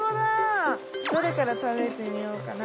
どれからたべてみようかな？